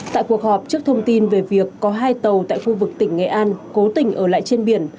tại cuộc họp trước thông tin về việc có hai tàu tại khu vực tỉnh nghệ an cố tình ở lại trên biển